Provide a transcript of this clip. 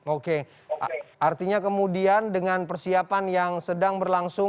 oke artinya kemudian dengan persiapan yang sedang berlangsung